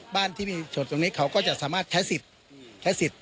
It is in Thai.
บ้านที่มีโฉดตรงนี้เขาก็จะสามารถแท็สต์